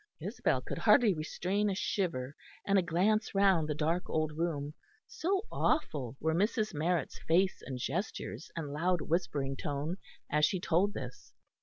Isabel could hardly restrain a shiver and a glance round the dark old room, so awful were Mrs. Marrett's face and gestures and loud whispering tone, as she told this.